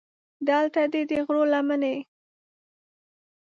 دلته دې د غرو لمنې.